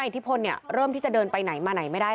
อิทธิพลเริ่มที่จะเดินไปไหนมาไหนไม่ได้